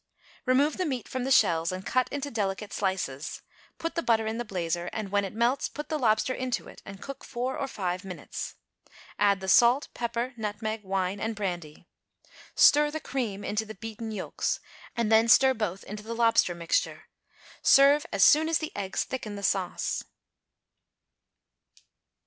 Method. Remove the meat from the shells and cut it into delicate slices. Put the butter in the blazer, and, when it melts, put the lobster into it and cook four or five minutes. Add the salt, pepper, nutmeg, wine and brandy. Stir the cream into the beaten yolks, and then stir both into the lobster mixture. Serve as soon as the eggs thicken the sauce.